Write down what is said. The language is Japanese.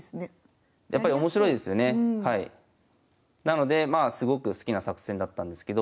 なのでまあすごく好きな作戦だったんですけど。